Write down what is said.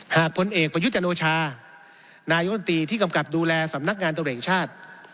หากผลเอกประยุทธ์จันทร์โอชานายวนตรีที่กำกัดดูแลสำนักงานตัวเองชาติ